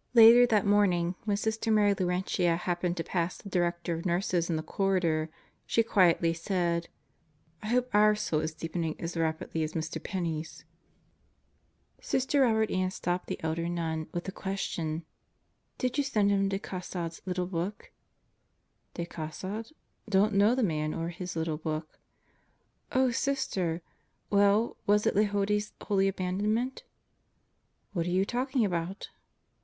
... Later that morning, when Sister Mary Laurentia happened to pass the Director of Nurses in the corridor, she quietly said, "I hope our soul is deepening as rapidly as Mr. Penney's." Sister Robert Ann stopped the elder nun with the question: "Did you send him De Caussade's little book?" "De Caussade? Don't know the man or his little book." "Oh, Sister! ... Well, was it Lehodey's Holy Abandonment?" "What are you talking about?"